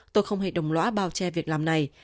tôi không hề đồng lõa bao che việc làm này